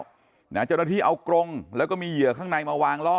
เจ้าหน้าที่เอากรงแล้วก็มีเหยื่อข้างในมาวางล่อ